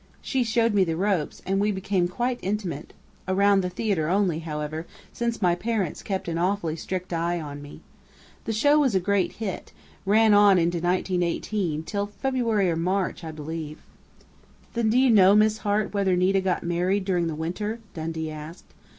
She showed me the ropes, and we became quite intimate around the theater only, however, since my parents kept an awfully strict eye on me. The show was a great hit ran on into 1918, till February or March, I believe." "Then do you know, Miss Hart, whether Nita got married during the winter?" Dundee asked.